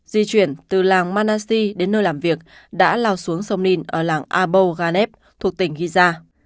di chuyển từ làng manasi đến nơi làm việc đã lao xuống sông ninh ở làng abo ghanev thuộc tỉnh giza